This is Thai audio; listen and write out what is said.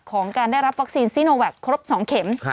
ของการได้รับวัคซีนซีโนแวคครบ๒เข็ม